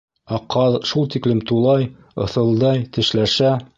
Ә ҡаҙ шул тиклем тулай, ыҫылдай, тешләшә...